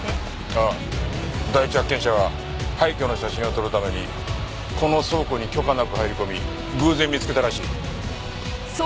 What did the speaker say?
ああ第一発見者は廃墟の写真を撮るためにこの倉庫に許可なく入り込み偶然見つけたらしい。